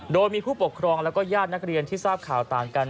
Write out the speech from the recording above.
โดยมีผู้ปกครองแล้วก็ญาตินักเรียนที่ทราบข่าวต่างกัน